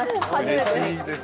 うれしいです。